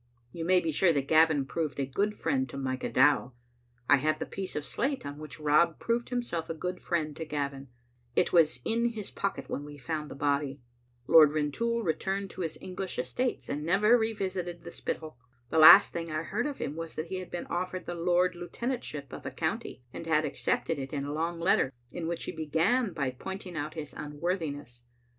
You may be sure that Gavin proved a good friend to Micah Dow. I have the piece of slate on which Rob proved himself a good friend to Gavin ; it was in his pocket when we found the body. Lord Rintoul returned to his English estates, and never revisited the Spittal. The last thing I heard of him was that he had been offered the Lord Lieutenantship of a county, and had accepted it in a long letter, in which he began by point ing out his unworthiness.